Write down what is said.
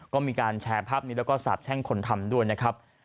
ก็มีการแชร์ภาพนี้แล้วก็สาบแช่งคนทำด้วยนะครับ